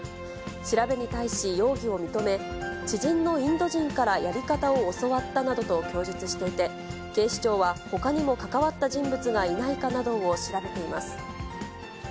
調べに対し容疑を認め、知人のインド人からやり方を教わったなどと供述していて、警視庁は、ほかにも関わった人物がいないかなどを調べています。